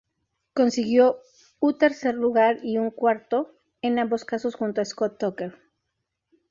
Consiguió u tercer lugar y un cuarto, en ambos casos junto a Scott Tucker.